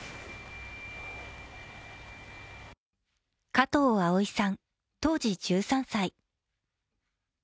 加藤碧さん、当時１３歳。